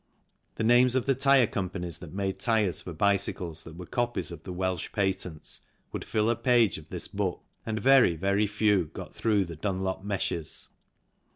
The names of tyre companies that made tyres for bicycles that were copies of the Welch patents would fill a page of this book and very, very few got through the Dunlop meshes.